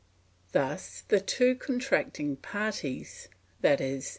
Thus the two contracting parties, i.e.